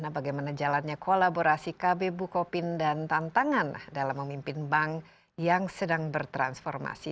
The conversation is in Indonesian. bagaimana jalannya kolaborasi kb bukopin dan tantangan dalam memimpin bank yang sedang bertransformasi